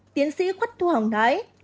tiến sĩ khuất thu hồng nói